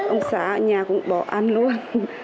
ông xã nhà cũng bỏ ăn luôn